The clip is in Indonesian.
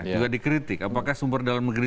juga dikritik apakah sumber dalam negeri